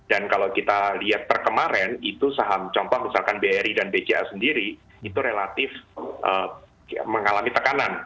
dan kalau kita lihat terkemaren itu saham contohnya misalkan bri dan bca sendiri itu relatif mengalami tekanan